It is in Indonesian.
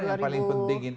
hendpa ada di emisi kita